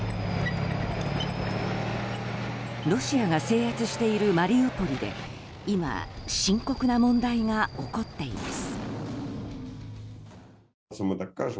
ロシアが制圧しているマリウポリで今、深刻な問題が起こっています。